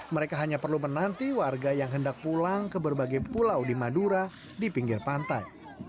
mereka hanya perlu menanti warga yang hendak pulang ke berbagai pulau di madura di pinggir pantai